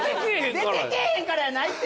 出てけえへんからやないて。